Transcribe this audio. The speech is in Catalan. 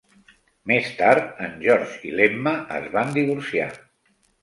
Més tard, en George i l'Emma es van divorciar.